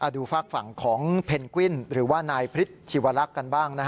ฝากฝั่งของเพนกวินหรือว่านายพริษชีวรักษ์กันบ้าง